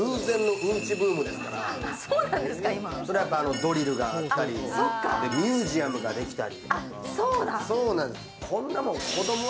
ドリルがあったり、ミュージアムができたり。